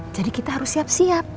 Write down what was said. jadi kita harus siap siap